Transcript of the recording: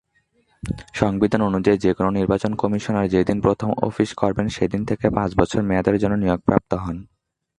সংবিধান অনুযায়ী যেকোন নির্বাচন কমিশনার যেদিন প্রথম অফিস করবেন সেদিন থেকে পাঁচ বছর মেয়াদের জন্য নিয়োগপ্রাপ্ত হন।